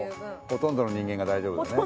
ほとんどの人間大丈夫です